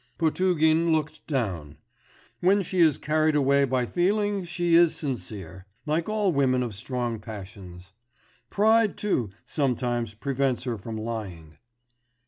Potugin looked down. 'When she is carried away by feeling, she is sincere, like all women of strong passions. Pride too, sometimes prevents her from lying.